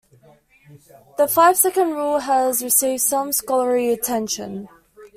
The five-second rule has received some scholarly attention.